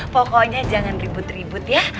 pokoknya jangan ribut ribut ya